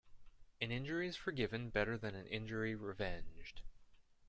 An injury is forgiven better than an injury revenged.